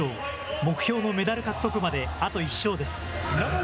目標のメダル獲得まであと１勝です。